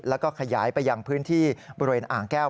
แล้วก็ขยายไปยังพื้นที่บริเวณอ่างแก้ว